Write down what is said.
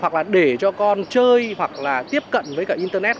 hoặc là để cho con chơi hoặc là tiếp cận với cả internet